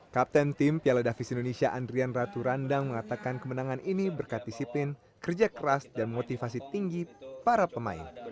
kapten tim piala davis indonesia andrian ratu randang mengatakan kemenangan ini berkat disiplin kerja keras dan motivasi tinggi para pemain